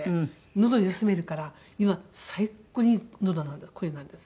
のど休めるから今最高にいいのど声なんです。